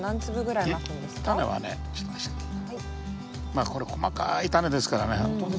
まあこれ細かいタネですからね